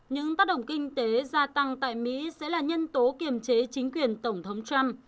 những tác động kinh tế gia tăng tại mỹ sẽ là nhân tố kiềm chế chính quyền tổng thống trump